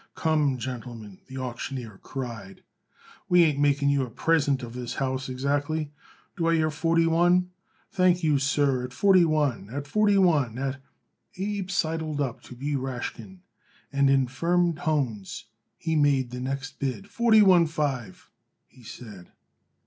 "Come, gentlemen," the auctioneer cried, "we ain't making you a present of this house, exactly. Do I hear forty one? Thank you, sir. At forty one at forty one at " Abe sidled up to B. Rashkin and in firm tones he made the next bid. "Forty one five," he said.